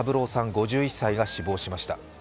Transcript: ５１歳が死亡しました。